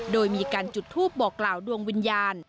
โดยมีการจุดทูปบอกกล่าวดวงวิญญาณ